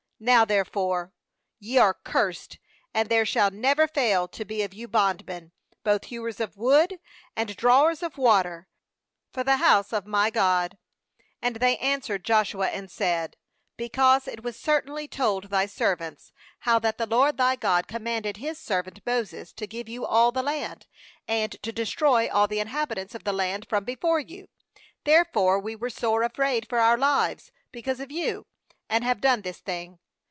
^Now therefore ye are cursed, and there shall never fail to be of you bondmen, both hewers of wood and drawers of water for the house of 271 9.23 JOSHUA my God/ MAnd they answered Joshua, and said :' Because it was cer tainly told thy servants, how that the LORD thy God commanded His serv ant Moses to give you all the land, and to destroy all the inhabitants of the land from before you; therefore we were sore afraid for our lives because of you, and have done this thing.